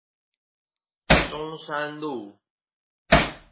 中山路